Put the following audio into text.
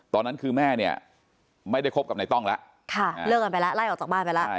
ตอนนั้นคือแม่เนี่ยไม่ได้คบกับนายต้องแล้วเลิกกันไปแล้วไล่ออกจากบ้านไปแล้ว